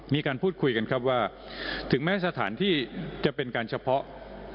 มีการพูดคุยกันครับว่าถึงแม้สถานที่จะเป็นการเฉพาะ